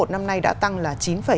năm nay đã tăng là chín ba mươi tám